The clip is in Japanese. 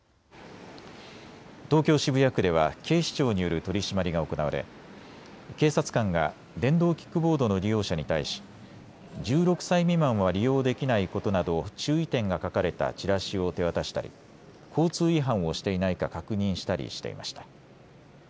東京渋谷区では警視庁による取締りが行われ警察官が電動キックボードの利用者に対し１６歳未満は利用できないことなど注意点が書かれたチラシを手渡したり交通違反をしていないか確認したりしていました。